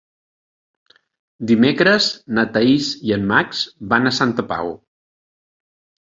Dimecres na Thaís i en Max van a Santa Pau.